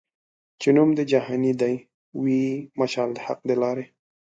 چي نوم د جهاني دي وي مشال د حق د لاري